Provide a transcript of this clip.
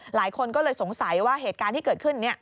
หลายคนก็เลยสงสัยว่าเหตุการณ์ที่เกิดขึ้น